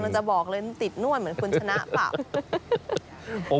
อ๋อจะบอกเลยติดนวดเหมือนคุณชนะป่ะ